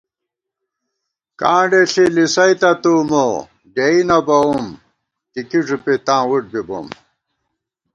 کانڈے ݪی لِسَئیتہ تُو مو، ڈېئی نہ بَوُم ٹِکی ݫُپی تاں وُٹ بِبوم